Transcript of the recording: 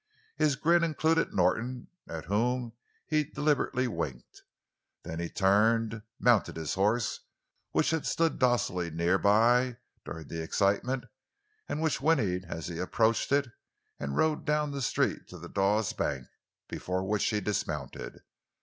His grin included Norton, at whom he deliberately winked. Then he turned, mounted his horse—which had stood docilely near by during the excitement, and which whinnied as he approached it—and rode down the street to the Dawes bank, before which he dismounted.